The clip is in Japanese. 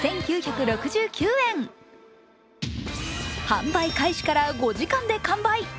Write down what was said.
販売開始から５時間で完売。